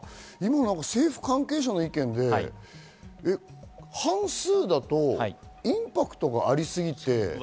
政府関係者の意見で半数だとインパクトがありすぎて。